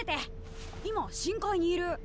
今深海にいる。